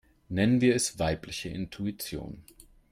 Nennen wir es weibliche Intuition.